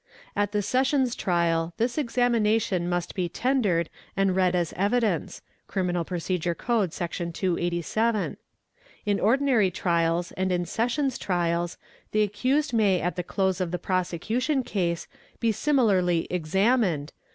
At the Sessions trial this examination must be tendered and read as evidence (Cr. P. C., Sec. 287). In ordinary trials and in Sessions trials, the accused may at the close of the prosecution case be similarly 'examined' (Cr.